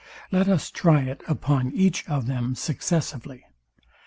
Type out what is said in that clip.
Let us try it upon each of them successively.